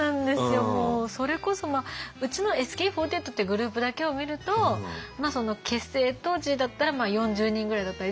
それこそまあうちのＳＫＥ４８っていうグループだけを見ると結成当時だったら４０人ぐらいだったり